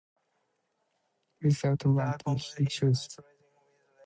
Without a ranking, he chose Tunis challenger as his first tournament to qualify in.